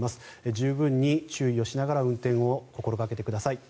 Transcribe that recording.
十分に注意をしながら運転を心がけてください。